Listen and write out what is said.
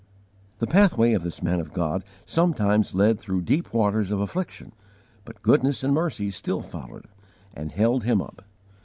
The pathway of this man of God sometimes led through deep waters of affliction, but goodness and mercy still followed, and held him up.